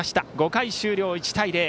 ５回終了、１対０。